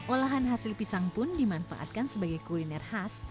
olahan hasil pisang pun dimanfaatkan sebagai kuliner khas